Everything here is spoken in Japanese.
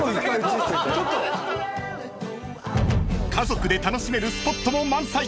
［家族で楽しめるスポットも満載］